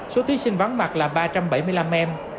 số thí sinh vắng mặt là ba trăm bảy mươi năm em